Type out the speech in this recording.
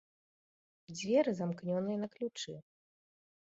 Дзверы, замкнёныя на ключы.